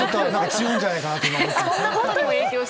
強いんじゃないかと思っています。